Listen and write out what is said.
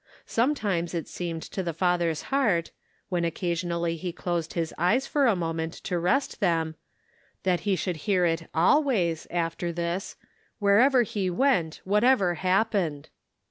Sometimes it seemed to the father's heart — when oc casionally he closed his eyes for a moment to rest them — that he should hear it always, after this, whorever he went, whatever hap pened